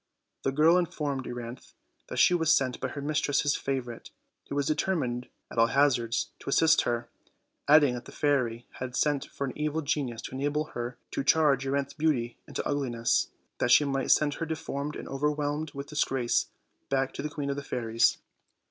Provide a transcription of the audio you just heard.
The girl informed Euryanthe that she was sent by her mistress' favorite, who was determined at all hazards to assist her; adding that the fairy had sent for an evil genius to enable her to change Euryanthe's beauty into ugliness, that she might send her deformed and overwhelmed with disgrace back to the Queen of the Fairies.